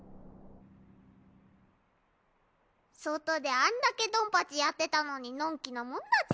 外であんだけドンパチやってたのにのんきなもんだぜ。